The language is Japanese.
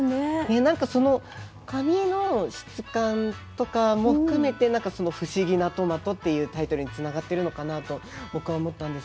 なんかその紙の質感とかも含めて「ふしぎなとまと」っていうタイトルにつながってるのかなと僕は思ったんですが。